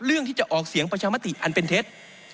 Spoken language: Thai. เรื่องที่จะออกเสียงประชามติอันเป็นเท็จ